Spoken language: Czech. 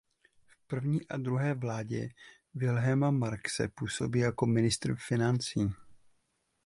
V první a druhé vládě Wilhelma Marxe působil jako ministr financí.